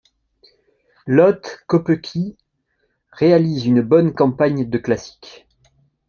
Lotte Kopecky réalise une bonne campagne de classiques.